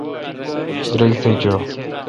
دیرگ تھ چو۔